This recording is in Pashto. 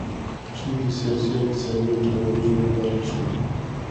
ښځې د سیاسي، اقتصادي او ټولنیز ژوند برخه شوه.